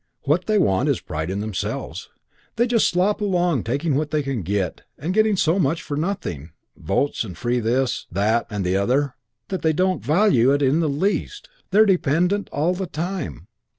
What they want is pride in themselves. They just slop along taking what they can get, and getting so much for nothing votes and free this, that and the other that they don't value it in the least. They're dependent all the time.